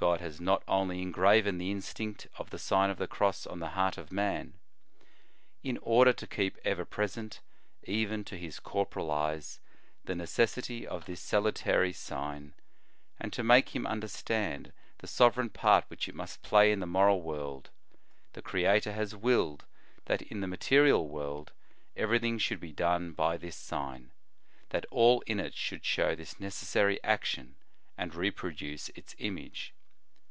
God has not only engraven the instinct of the Sign of the Cross on the heart of man. In order to keep ever present, even to his corporal eyes, the necessity of this salutary sign, and to make him understand the sove reign part which it must play in the moral world, the Creator has willed that in the material world everything should be done by this sign, that all in it should show this necessary action and reproduce its image.